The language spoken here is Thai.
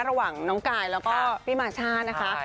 ระหว่างน้องกายแล้วก็พี่มาช่านะคะ